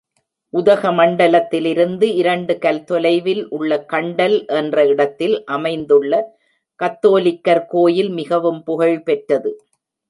உதகமண்டலத்திலிருந்து இரண்டு கல் தொலைவில் உள்ள கண்டல் என்ற இடத்தில் அமைந்துள்ள கத்தோலிக்கர் கோயில் மிகவும் புகழ் பெற்றது.